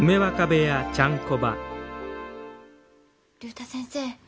竜太先生